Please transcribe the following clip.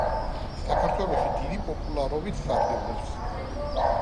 საქართველოში დიდი პოპულარობით სარგებლობს.